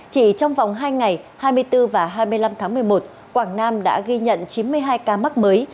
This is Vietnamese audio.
chỉ trong vòng hai ngày hai mươi bốn và hai mươi năm tháng một mươi một quảng nam đã ghi nhận chín mươi hai ca mắc mới